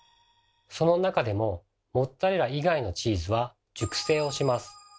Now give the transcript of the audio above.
その中でもモッツァレラ以外のチーズは熟成をします。